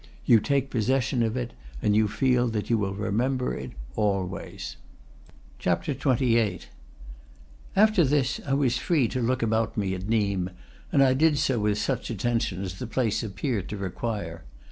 You take possession of it, and you feel that you will remember it always. XXVIII. After this I was free to look about me at Nimes, and I did so with such attention as the place appeared to require.